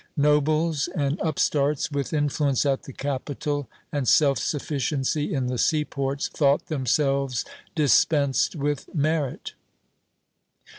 Nobles and upstarts, with influence at the capital and self sufficiency in the seaports, thought themselves dispensed with merit.